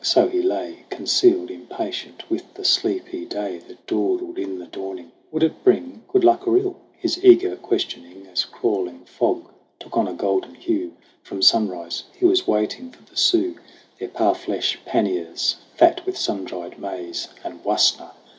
So he lay Concealed, impatient with the sleepy day That dawdled in the dawning. Would it bring Good luck or ill ? His eager questioning, As crawling fog, took on a golden hue From sunrise. He was waiting for the Sioux, Their parfleche panniers fat with sun dried maize And wasna